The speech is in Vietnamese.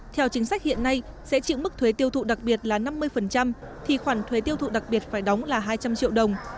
theo chính sách hiện nay sẽ chịu mức thuế tiêu thụ đặc biệt là năm mươi thì khoản thuế tiêu thụ đặc biệt phải đóng là hai trăm linh triệu đồng